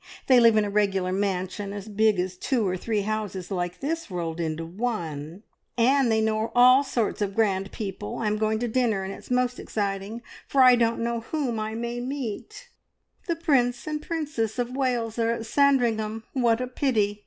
They live in a regular mansion as big as two or three houses like this rolled into one, and they know all sorts of grand people! I am going to dinner, and it's most exciting, for I don't know whom I may meet!" "The Prince and Princess of Wales are at Sandringham! What a pity!"